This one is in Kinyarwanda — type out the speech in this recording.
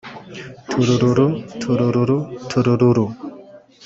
turururu! turururu! turururu!